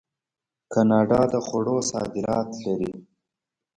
کاناډا د خوړو صادرات لري.